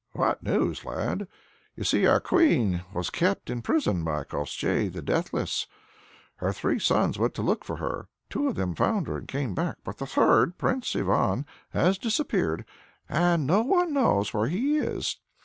"What news, lad? You see our queen was kept in prison by Koshchei the Deathless. Her three sons went to look for her, and two of them found her and came back, but the third, Prince Ivan, has disappeared, and no one knows where he is.